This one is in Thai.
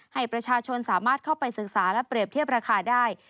ให้ประชาชนสามารถเข้าไปศึกษาและเปรียบเทียบราคาได้